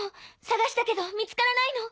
捜したけど見つからないの。